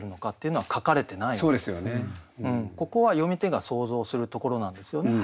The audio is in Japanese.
ここは読み手が想像するところなんですよね。